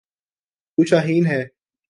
'تو شاہین ہے۔